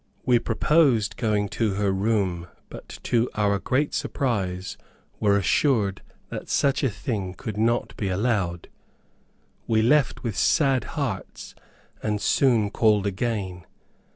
We proposed going to her room, but to our great surprise were assured that such a thing could not be allowed. We left with sad hearts, and soon called again.